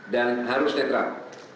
dan harus netral